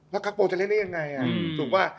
แล้วคาโปร์จะเล่นได้ยังไงถูกป่ะ